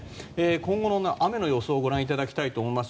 今後の雨の予想をご覧いただきたいと思います。